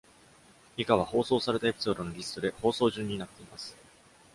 以下は放送されたエピソードのリストで、放送順になっています。